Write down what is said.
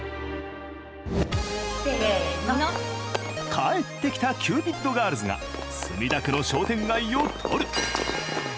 帰ってきたキューピッドガールズが墨田区の商店街を撮る！